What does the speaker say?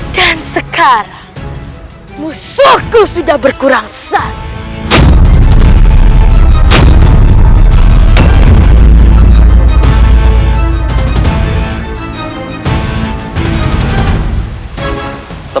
dan sekarang musuhku sudah berkurang santai